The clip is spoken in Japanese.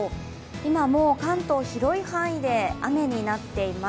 今、関東広い範囲で雨になっています。